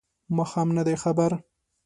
ماښام نه دی خبر